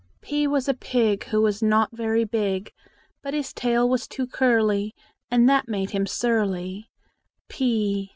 P was a pig, Who was not very big; But his tail was too curly, And that made him surly.